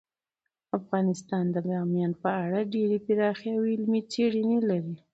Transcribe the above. افغانستان د بامیان په اړه ډیرې پراخې او علمي څېړنې لري.